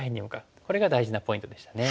これが大事なポイントでしたね。